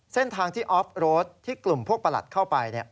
เส้นทางที่ออฟรถที่กลุ่มพวกประหลัดเข้าไป